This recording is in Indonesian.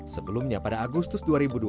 sebelumnya pada agustus dua ribu dua puluh